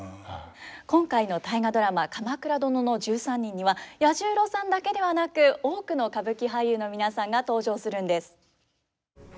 今回の「大河ドラマ鎌倉殿の１３人」には彌十郎さんだけではなく多くの歌舞伎俳優の皆さんが登場するんです。